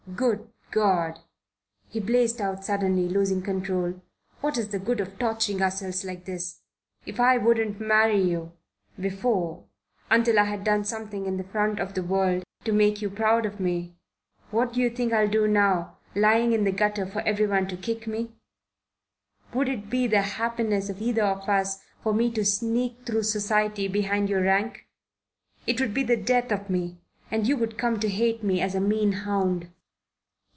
Good God!" he blazed out suddenly, losing control. "What is the good of torturing ourselves like this? If I wouldn't marry you before until I had done something in the front of the world to make you proud of me, what do you think I'll do now, lying in the gutter for every one to kick me? Would it be to the happiness of either of us for me to sneak through society behind your rank? It would be the death of me and you would come to hate me as a mean hound."